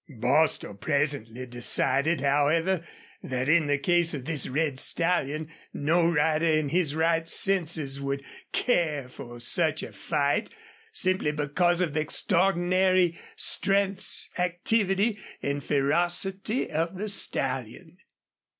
Bostil presently decided, however, that in the case of this red stallion no rider in his right senses would care for such a fight, simply because of the extraordinary strengths, activity, and ferocity of the stallion.